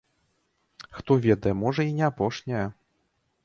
Хто ведае, можа, і не апошняя.